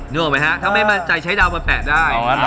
นึกออกไหมฮะถ้าไม่มั่นใจใช้ดาวมาแปะได้